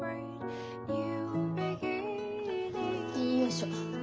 よいしょ。